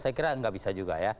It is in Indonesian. saya kira nggak bisa juga ya